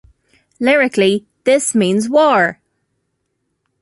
Lyrically, This Means War!